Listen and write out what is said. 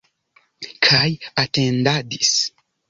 Kaj atendadis.